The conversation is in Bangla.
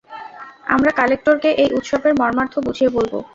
আমরা কালেক্টরকে এই উৎসবের মমার্থ বুঝিয়ে বলব।